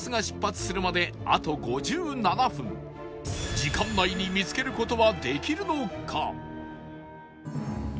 時間内に見つける事はできるのか？